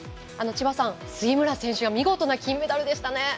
杉村選手が見事な金メダルでしたね。